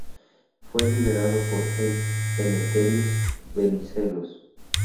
Fue liberado por el Eleftherios Venizelos.